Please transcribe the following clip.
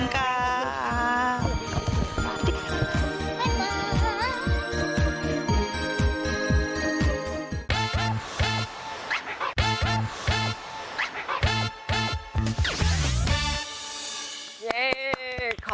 ขอบคุณค่ะ